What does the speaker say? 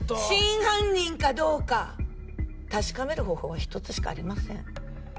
真犯人かどうか確かめる方法は１つしかありません。